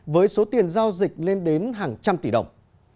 với số tiền giao dịch lên đến hàng trăm tỷ đồng